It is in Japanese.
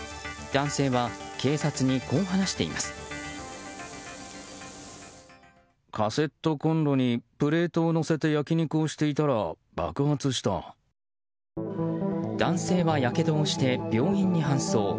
男性はやけどをして病院に搬送。